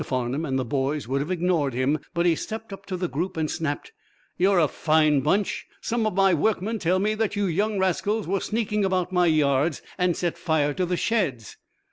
Farnum and the boys would have ignored him, but he stepped up to the group and snapped: "You're a fine bunch! Some of my workmen tell me that you young rascals were sneaking about my yards and set fire to the sheds."